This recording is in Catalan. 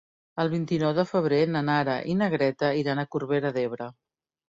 El vint-i-nou de febrer na Nara i na Greta iran a Corbera d'Ebre.